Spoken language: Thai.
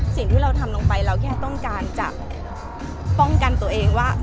สิ่งที่เราทำลงไปเราแค่ต้องการจะป้องกันตัวเองว่า